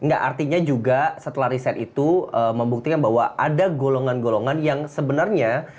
enggak artinya juga setelah riset itu membuktikan bahwa ada golongan golongan yang sebenarnya